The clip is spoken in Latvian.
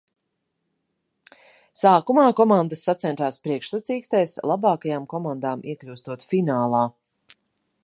Sākumā komandas sacentās priekšsacīkstēs, labākajām komandām iekļūstot finālā.